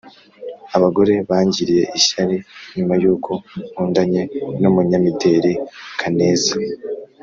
abagore bangiriye ishyari nyuma yuko nkundanye n’umunyamideli kaneza